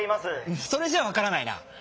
それじゃあわからないな。